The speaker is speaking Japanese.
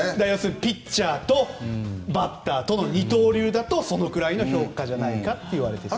ピッチャーとバッターとの二刀流だとそのくらいの評価じゃないといわれていると。